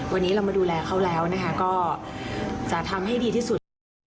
วันนี้เรามาดูแลเขาแล้วนะคะก็จะทำให้ดีที่สุดนะคะ